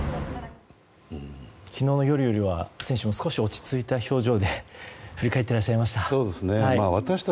昨日の夜よりは選手も、少し落ち着いたような表情で振り返っていらっしゃいました。